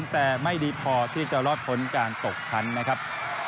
แต่ไม่ดีพอที่จะรอดพ้นการตกชั้นนะครับ